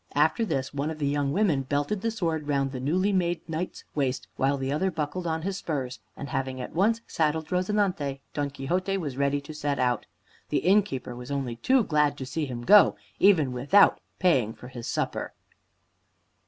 After this, one of the young women belted the sword round the newly made knight's waist, while the other buckled on his spurs, and having at once saddled "Rozinante." Don Quixote was ready to set out. The innkeeper was only too glad to see him go, even without paying for his supper.